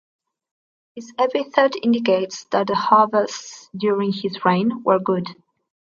His epithet indicates that the harvests during his reign were good.